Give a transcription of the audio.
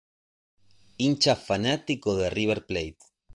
Hincha fanático de River Plate.